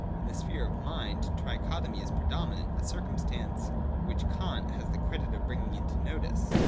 In the sphere of mind trichotomy is predominant, a circum stance which Kant has the credit of bringing into notice.